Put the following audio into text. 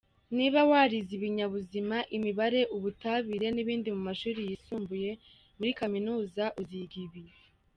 Niba warize Ibinyabuzima, Imibare, Ubutabire n’ibindi mu mashuri yisumbuye, muri Kaminuza uziga ibi.